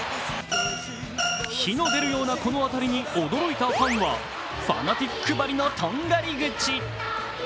火の出るようなこの当たりに驚いたファンはファナティックばりのとんがり口。